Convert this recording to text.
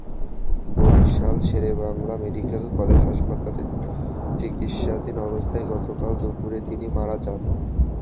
Barishal Sher-e-Bangla medical college হাসপাতালে চিকিৎসাধীন অবস্থায় গতকাল দুপুরে তিনি মারা যান।